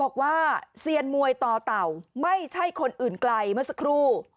เซียนมวยต่อเต่าไม่ใช่คนอื่นไกลเมื่อสักครู่